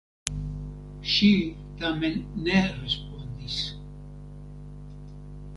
Ŝi tamen ne respondis.